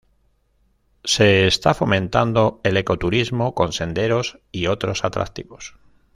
Se está fomentando el ecoturismo con senderos y otros atractivos.